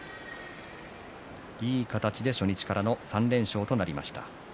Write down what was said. いい形で初日からの３連勝となりました。